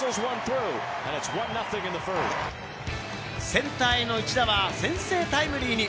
センターへの一打は先制タイムリーに。